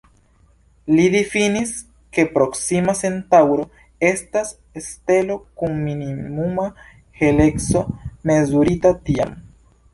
Oni difinis, ke Proksima Centaŭro estas stelo kun minimuma heleco mezurita tiam.